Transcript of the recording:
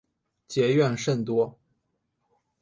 结怨甚多。